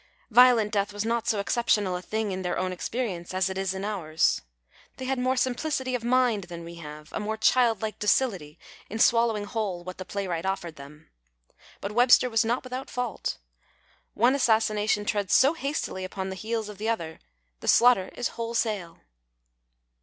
Violent death was not so exceptional a thing in their own experience as it is in ours. They had more simplicity of mind than we have, a more childlike docility in swallowing whole what the playwright offered them. But Webster was not without fault. One assassination treads so hastily upon the heels of the other, the slaughter is so wholesale.